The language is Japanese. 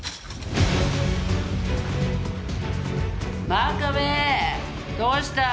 「真壁どうした？」